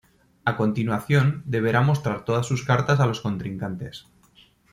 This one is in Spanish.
A continuación deberá mostrar todas sus cartas a los contrincantes.